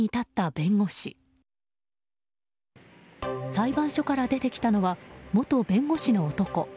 裁判所から出てきたのは元弁護士の男。